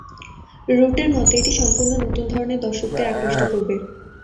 রুটের মতে, এটি সম্পূর্ণ নতুন ধরনের দর্শকদের আকৃষ্ট করবে।